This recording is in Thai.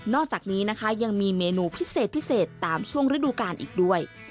อกจากนี้นะคะยังมีเมนูพิเศษพิเศษตามช่วงฤดูกาลอีกด้วย